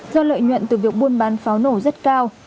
do lợi nhuận từ việc buôn bán pháo nổ rất cao